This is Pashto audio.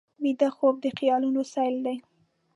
ویده خوب د خیالونو سیل دی